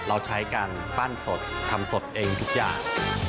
เราใช้การปั้นสดทำสดเองทุกอย่าง